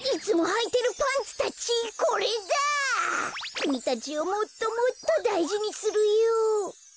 きみたちをもっともっとだいじにするよ。